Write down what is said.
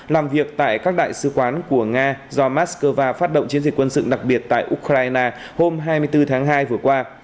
làm việc tại các đại sứ quán của nga do moscow phát động chiến dịch quân sự đặc biệt tại ukraine hôm hai mươi bốn tháng hai vừa qua